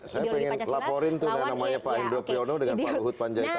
saya ingin laporin tuh namanya pak endro piono dengan pak luhut panjaitan